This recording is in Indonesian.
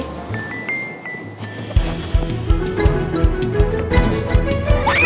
serem banget lagi